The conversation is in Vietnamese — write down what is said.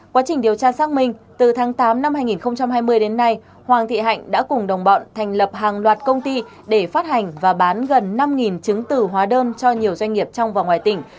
quá trình điều tra xác minh từ tháng tám năm hai nghìn hai mươi đến nay hoàng thị hạnh đã cùng đồng bọn thành lập hàng loạt công ty để phát hành và bán gần năm chứng từ hóa đơn cho nhiều doanh nghiệp trong và ngoài tỉnh